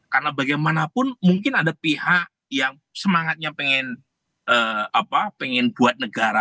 karena bagaimanapun mungkin ada pihak yang semangatnya pengen buat negara